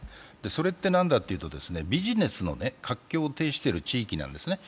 それって何だというと、ビジネスの活況を呈している地域なんですね。